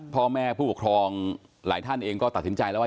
พ่อแม่ผู้ปกครองหลายท่านเองก็ตัดสินใจแล้วว่า